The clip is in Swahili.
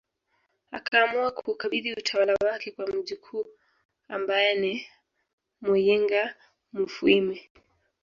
Akaamua kuukabidhi utawala wake kwa mjukuu ambaye ni Muyinga Mufwimi